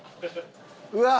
うわっ！